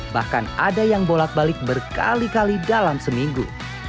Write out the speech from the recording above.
bahkan ada yang bolat balik berkali kali dalam seminggu